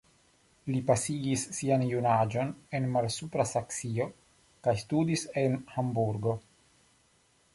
Li pasigis sian junaĝon en Malsupra Saksio kaj studis en Hamburgo.